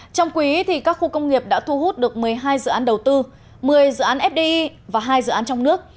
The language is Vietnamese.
trong quý các khu công nghiệp đã thu hút được một mươi hai dự án đầu tư một mươi dự án fdi và hai dự án trong nước